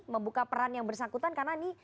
membuka peran yang bersangkutan karena ini